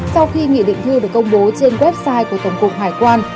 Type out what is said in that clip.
sau khi nghị định thư được công bố trên website của tổng cục hải quan